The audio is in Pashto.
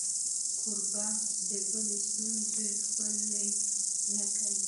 کوربه د بل ستونزه خپله نه کوي.